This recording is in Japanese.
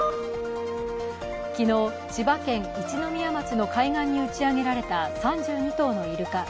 昨日、千葉県一宮町の海岸に打ち上げられた３２頭のイルカ。